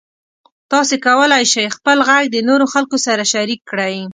تاسو کولی شئ خپل غږ د نورو خلکو سره شریک کړئ.